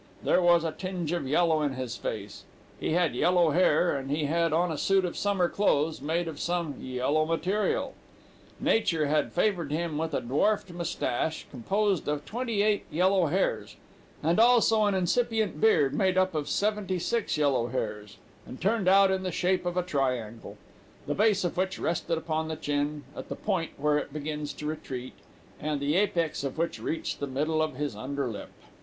There was a tinge of yellow in his face, he had yellow hair, and he had on a suit of summer clothes, made of some yellow material. Nature had favored him with a dwarfed moustache, composed of twenty eight yellow hairs, and also an incipient beard, made up of seventy six yellow hairs, and turned out in the shape of a triangle, the base of which rested upon the chin, at the point where it begins to retreat, and the apex of which reached the middle of his under lip.